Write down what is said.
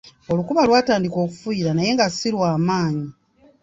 Olukuba lwatandika okufuuyirira naye nga ssi lwamaanyi.